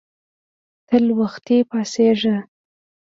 تل وختي پاڅیږه